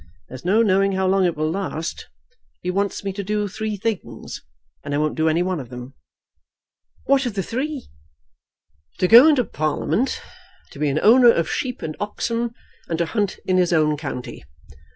There is no knowing how long it will last. He wants me to do three things, and I won't do any one of them." "What are the three?" "To go into Parliament, to be an owner of sheep and oxen, and to hunt in his own county.